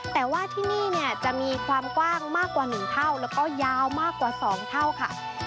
แต่ว่าที่นี่เนี่ยจะมีความกว้างมากกว่า๑เท่าแล้วก็ยาวมากกว่า๒เท่าค่ะ